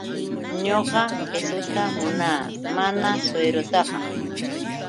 Ñuqa kiisuta munaa, mana shuyrutaqa.